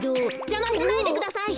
じゃましないでください！